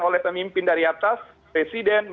oleh pemimpin dari atas